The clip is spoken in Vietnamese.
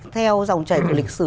theo dòng chảy của lịch sử